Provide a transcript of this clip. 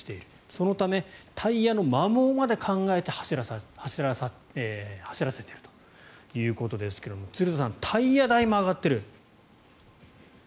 そのためタイヤの摩耗まで考えて走らせているということですが鶴田さんタイヤ代も上がっている。